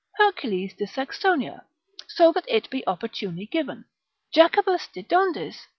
Hercules de Saxonia, so that it be opportunely given. Jacobus de Dondis, Agg.